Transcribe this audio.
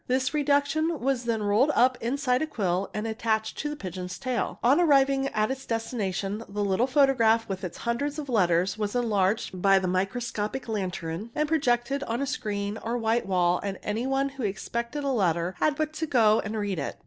This reduction was then rolled up inside a quill and attached to the pigeon's tail. On arriving _ at its destination the little photograph with its hundreds of letters was | enlarged by the microscopic lantern and projected on a screen or white wall and anyone who expected a letter had but to go and read it.